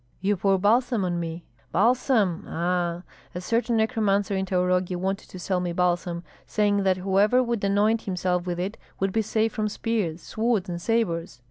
"You pour balsam on me." "Balsam! Aha! A certain necromancer in Taurogi wanted to sell me balsam, saying that whoever would anoint himself with it would be safe from spears, swords, and sabres.